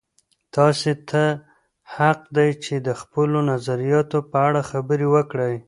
تاسې ته حق دی چې د خپلو نظریاتو په اړه خبرې وکړئ.